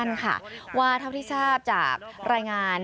ว่าถ้าเพราะที่ทราบจากรายงาน